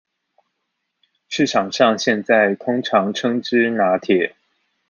市場上現在通常稱之拿鐵